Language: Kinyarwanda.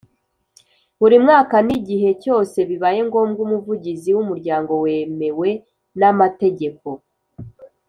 Buri mwaka n igihe cyose bibaye ngombwa Umuvugizi w umuryango wemewe n amategeko